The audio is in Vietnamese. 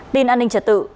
tin an ninh trật tự